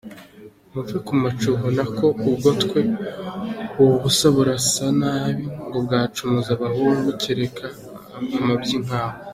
muve kumacuho, nako ubwotwe, ubu busa burasa nabi, ngo bwacumuza abahungu, kereka amabyi nkawe.